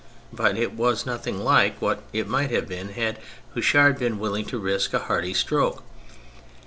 But it was nothing like what it might have been had Houchard been willing to risk a hardy stroke.